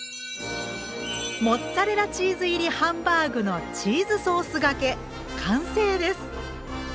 モッツァレラチーズ入りハンバーグのチーズソースがけ完成です。